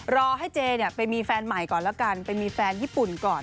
รอให้เจเนี่ยไปมีแฟนใหม่ก่อนแล้วกันไปมีแฟนญี่ปุ่นก่อน